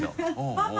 パパ！